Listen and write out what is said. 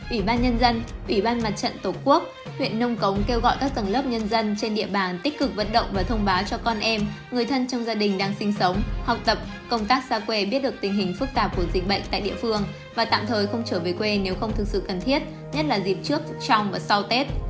ủy ban nhân dân ủy ban mặt trận tổ quốc huyện nông cống kêu gọi các tầng lớp nhân dân trên địa bàn tích cực vận động và thông báo cho con em người thân trong gia đình đang sinh sống học tập công tác xa quê biết được tình hình phức tạp của dịch bệnh tại địa phương và tạm thời không trở về quê nếu không thực sự cần thiết nhất là dịp trước trong và sau tết